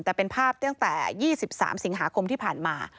แต่เป็นภาพตั้งแต่๒๓สิงหาคมที่ผ่านมา